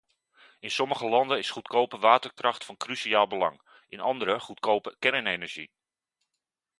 In sommige landen is goedkope waterkracht van cruciaal belang, in andere goedkope kernenergie.